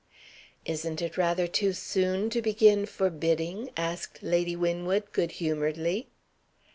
"Isn't it rather too soon to begin 'forbidding'?" asked Lady Winwood, good humoredly.